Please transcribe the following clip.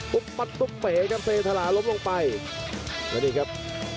ปุ๊บปัดปุ๊บเป๋ครับ